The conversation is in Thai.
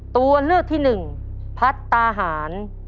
ตัวเลือกที่หนึ่งพัฒนาหาร